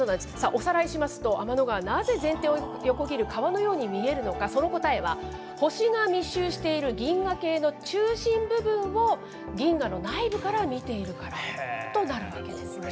おさらいしますと、天の川、なぜ全天を横切る川のように見えるのか、その答えは、星が密集している銀河系の中心部分を銀河の内部から見ているからとなるわけですね。